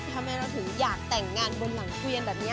ทำไมเราถึงอยากแต่งงานบนหลังเกวียนแบบนี้